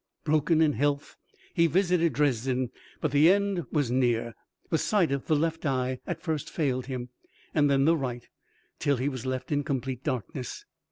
Broken in health he visited Dresden; but the end was near. The sight of the left eye at first failed him, then the right, till he was left in complete darkness.